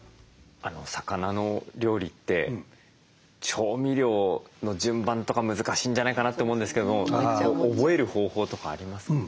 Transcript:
魚の料理って調味料の順番とか難しいんじゃないかなって思うんですけど覚える方法とかありますか？